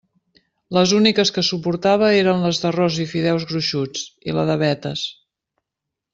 Les úniques que suportava eren les d'arròs i fideus gruixuts i la de vetes.